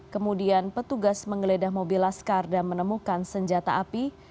kemudian petugas menggeledah mobil laskar dan menemukan senjata api